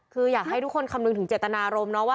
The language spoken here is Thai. คืออยากให้ทุกคนคำนึงถึงเจตนาโรม